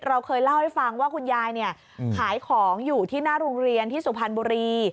เราเคยเล่าให้ฟังว่าคุณยายเนี่ยขายของอยู่ที่หน้าโรงเรียนที่สุพรรณบุรี